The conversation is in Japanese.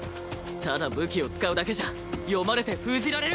ただ武器を使うだけじゃ読まれて封じられる！